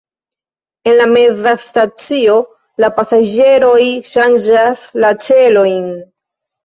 En la meza stacio la pasaĝeroj ŝanĝas la ĉelojn.